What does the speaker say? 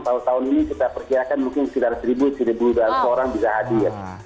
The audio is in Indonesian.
kalau tahun ini kita perkirakan mungkin sekitar seribu seribu dua ratus orang bisa hadir